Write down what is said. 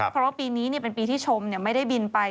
เพราะว่าปีนี้เป็นปีที่ชมไม่ได้บินไป